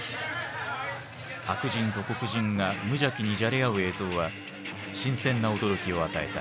白人と黒人が無邪気にじゃれ合う映像は新鮮な驚きを与えた。